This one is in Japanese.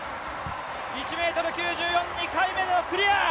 １ｍ９４、２回目でのクリア！